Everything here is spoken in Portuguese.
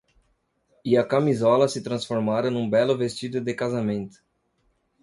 E a camisola se transformara num belo vestido de casamento.